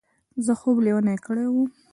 زه خوب لېونی کړی وم.